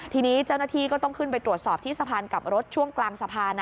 ทีนี้เจ้าหน้าที่ก็ต้องขึ้นไปตรวจสอบที่สะพานกลับรถช่วงกลางสะพาน